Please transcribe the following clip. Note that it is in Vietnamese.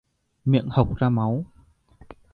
Miệng hộc ra máu